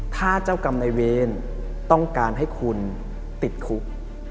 ถ้าเจ้ากรรมในเวรต้องการให้คุณติดคุก